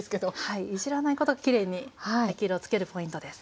いじらないことがきれいに焼き色をつけるポイントです。